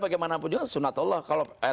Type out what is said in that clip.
bagaimanapun juga sunat allah kalau